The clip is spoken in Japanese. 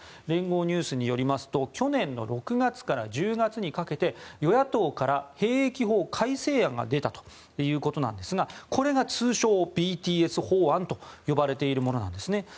連合ニュースによりますと去年の６月から１０月にかけて与野党から兵役法改正案が出たということなんですがこれが通称・ＢＴＳ法案と呼ばれているものです。